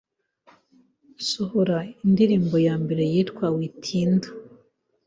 nsohora indirimbo ya mbere yitwa “Witinda”.